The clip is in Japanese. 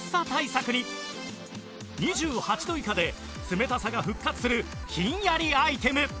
２８度以下で冷たさが復活するひんやりアイテム